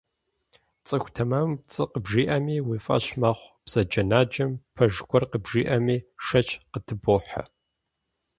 ЦӀыху тэмэмым пцӀы къыбжиӀэми уи фӀэщ мэхъу, бзаджэнаджэм пэж гуэр къыбжиӀэми, шэч къытыбохьэ.